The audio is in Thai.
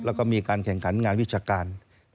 แล้วก็มีการแข่งขันงานวิชาการ